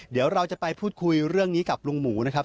เดี๋ยวเราจะไปพูดคุยเรื่องนี้กับลุงหมูนะครับ